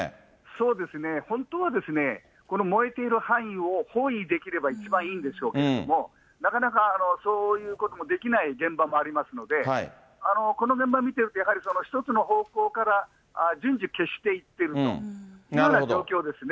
そうですね、本当はこの燃えている範囲を包囲できれば一番いいんですけれども、なかなかそういうこともできない現場もありますので、この現場見てると、やはり１つの方向から順次消していってると、そういうような状況